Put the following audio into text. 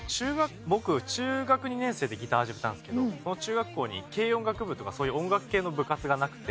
僕中学２年生でギター始めたんですけどその中学校に軽音楽部とかそういう音楽系の部活がなくて。